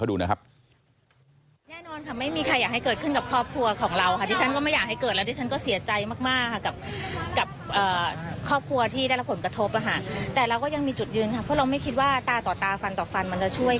เดี๋ยวฟังเสียงเขาดูนะครับ